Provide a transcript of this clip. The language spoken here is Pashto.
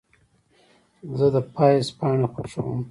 زه د پاییز پاڼې خوښوم.